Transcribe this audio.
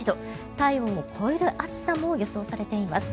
体温を超える暑さも予想されています。